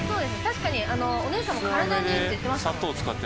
確かにお姉さんも体にいいって言ってましたもんね。